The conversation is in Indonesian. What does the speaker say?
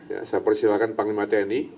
saya persilahkan panglima tni